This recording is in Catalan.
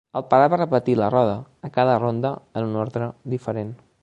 El pare va repetir la roda, a cada ronda en un ordre diferent.